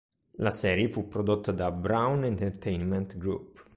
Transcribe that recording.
La serie fu prodotta da Braun Entertainment Group.